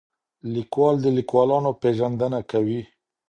لیکوال د لیکوالانو پېژندنه کوي.